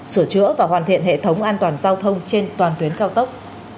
sửa chữa và hoàn thiện hệ thống an toàn giao thông trên toàn tuyến cao tốc